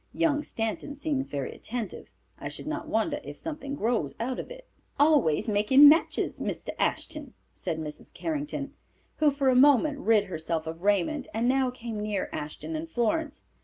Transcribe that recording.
Young Stanton seems very attentive. I should not wonder if something grows out of it." "Always making matches, Mr. Ashton," said Mrs. Carrington, who for a moment rid herself of Raymond and now came near Ashton and Florence.